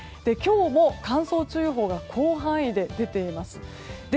今日も乾燥注意報が広範囲で出ています。